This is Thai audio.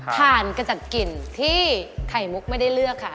ทานกันจากกลิ่นที่ไข่มุกไม่ได้เลือกค่ะ